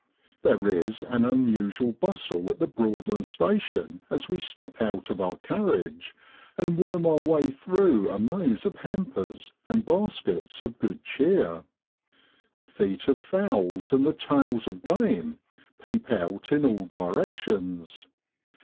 There is an unusual bustle at the Broadland station as we step out of our carriage, and worm our way through a maze of hampers and baskets of good cheer. The feet of fowls and the tails of game peep out in all directions.